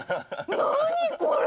何これ！？